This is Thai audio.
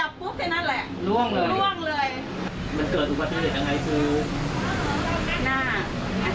คนอื่นอย่างต้องต้นตายก่อน